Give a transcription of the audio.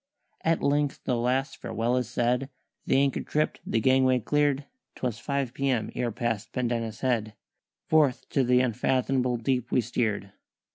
"At length the last farewell is said, The anchor tripped, the gangway clear'd; 'Twas five p.m. ere past Pendennis Head Forth to th' unfathomable deep we steer'd.